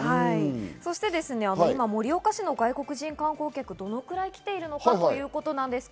今、盛岡市の外国人観光客、どのくらい来ているのかということですが。